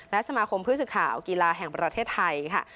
และสมาคมผู้สื่อข่าวกีฬาแห่งประเทศไทยค่ะ